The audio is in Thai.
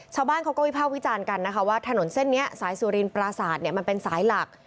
ชาวบ้านเขาก็วิภาควิจารณ์กันนะคะว่าถนนเส้นนี้สายสุรินปราศาสตร์เนี่ยมันเป็นสายหลัก